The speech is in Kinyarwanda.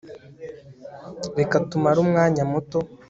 reka tumare umwanya muto